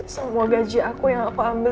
semua gaji aku yang aku ambil